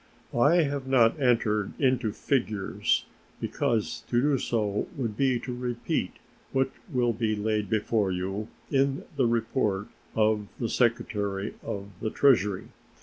I have not entered into figures, because to do so would be to repeat what will be laid before you in the report of the Secretary of the Treasury.